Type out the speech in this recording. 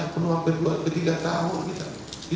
penuh hampir dua ketiga tahun kita